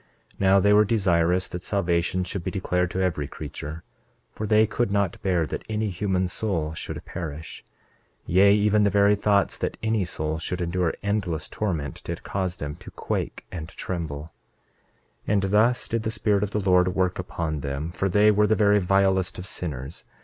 28:3 Now they were desirous that salvation should be declared to every creature, for they could not bear that any human soul should perish; yea, even the very thoughts that any soul should endure endless torment did cause them to quake and tremble. 28:4 And thus did the Spirit of the Lord work upon them, for they were the very vilest of sinners.